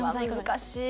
難しい。